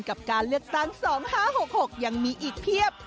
กับการเลือกตั้งสองห้าหกหกยังมีอีกเพียบ